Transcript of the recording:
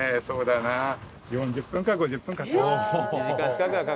そうだな４０分から５０分かかる。